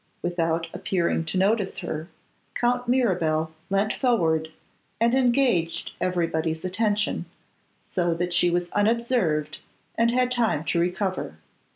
Without appearing to notice her, Count Mirabel leant forward, and engaged everybody's attention; so that she was unobserved and had time to recover.